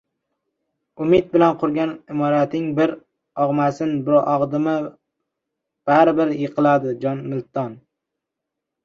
Umid bilan qurgan imorating bir og‘masin, bir og‘dimi baribir yiqiladi. Jon Milton